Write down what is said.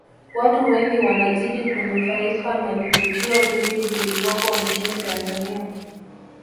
Watu wengi wanazidi kunufaika na vivutio vingi vilivopo nchini Tanzania